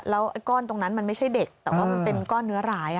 แล้วก้อนตรงนั้นมันไม่ใช่เด็กแต่ว่ามันเป็นก้อนเนื้อร้าย